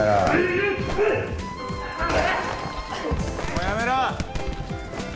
もうやめろ！